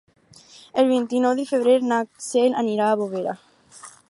El vint-i-nou de febrer na Cel anirà a Bovera.